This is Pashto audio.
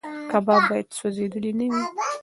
کباب باید سوځېدلی نه وي.